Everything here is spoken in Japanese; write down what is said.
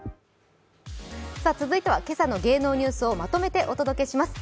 続いては今朝の芸能ニュースをまとめてお伝えします。